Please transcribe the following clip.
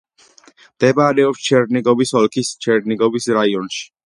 მდებარეობს ჩერნიგოვის ოლქის ჩერნიგოვის რაიონში.